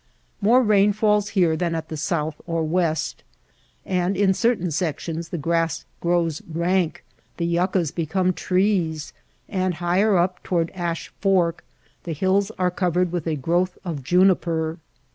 More rain falls here than at the south or west ; and in certain sections the grass grows rank, the yuccas become trees, and higher up toward Ash Fork the hills are covered with a growth of juni per.